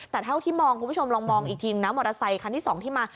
แต่เท่าที่มองคุณผู้ชมลองมองอีกทีนะมอเตอร์ไซคันที่สองที่มา